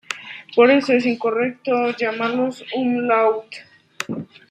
Por eso es incorrecto llamarlos "umlaut".